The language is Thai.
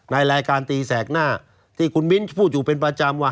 ในรายการตีแสกหน้าที่คุณมิ้นพูดอยู่เป็นประจำว่า